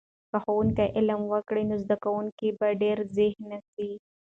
که ښوونکی علم ورکړي، نو زده کونکي به ډېر ذهین سي.